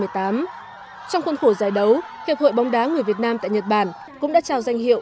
trong khuôn khổ giải đấu hiệp hội bóng đá người việt nam tại nhật bản cũng đã trao danh hiệu